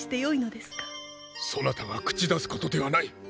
そなたが口出すことではない。